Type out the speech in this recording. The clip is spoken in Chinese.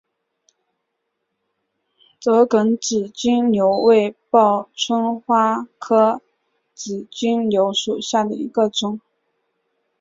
折梗紫金牛为报春花科紫金牛属下的一个种。